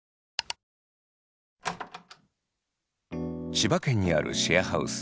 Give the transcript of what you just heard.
千葉県にあるシェアハウス。